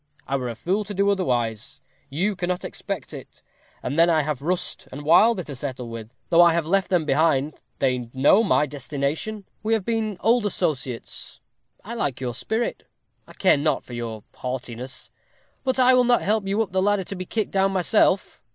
I were a fool to do otherwise. You cannot expect it. And then I have Rust and Wilder to settle with. Though I have left them behind, they know my destination. We have been old associates. I like your spirit I care not for your haughtiness; but I will not help you up the ladder to be kicked down myself.